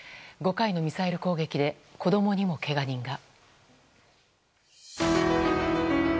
５回のミサイル攻撃で子供にも、けが人が。